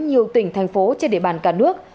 nhiều tỉnh thành phố trên địa bàn cả nước